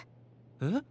えっ？